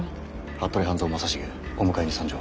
服部半蔵正成お迎えに参上。